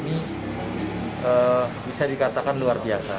ini bisa dikatakan luar biasa